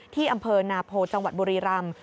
ที่อำเภอนาโพจังหวัดบุรีรำ